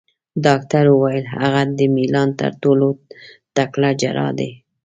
ډاکټر وویل: هغه د میلان تر ټولو تکړه جراح دی.